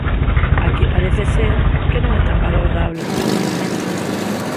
Aquí parece ser que non é tan valorable positivamente.